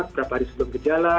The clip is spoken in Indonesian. berapa hari sebelum gejala